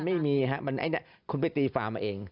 ไม่มีครับคุณไปตีฟาร์มมาเอง